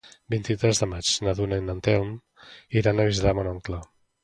El vint-i-tres de maig na Duna i en Telm iran a visitar mon oncle.